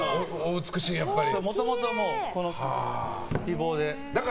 もともと、この美貌で。